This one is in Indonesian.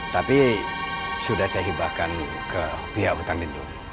tapi sudah saya hibahkan ke pihak hutang dindung